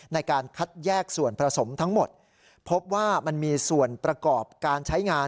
ในการคัดแยกส่วนผสมทั้งหมดพบว่ามันมีส่วนประกอบการใช้งาน